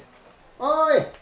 おい！